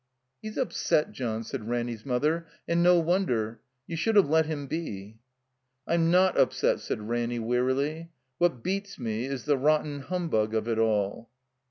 "He's upset, John," said Ranny's mother, "and no wonder. You should have let him be." "I'm not upset," said Ranny, wearily. "What beats me is the rotten humbug of it all."